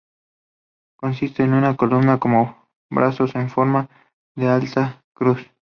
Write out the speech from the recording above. Consiste en una columna con brazos en forma de una alta cruz.